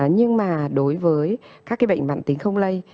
nhưng mà đối với các bệnh mạng tính không lây